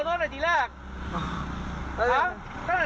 ทำไมไม่ขอโทษในที่แรกอ่ะผมผมจะเปิดขอโทษพี่แล้วอ่ะ